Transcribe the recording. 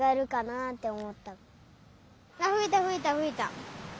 あっふいたふいたふいた。